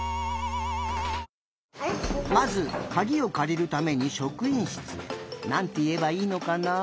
まずかぎをかりるためにしょくいんしつへ。なんていえばいいのかな。